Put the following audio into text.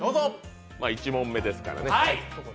１問目ですからね。